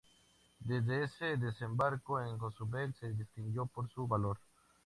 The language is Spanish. Desde el desembarco en Cozumel se distinguió por su valor.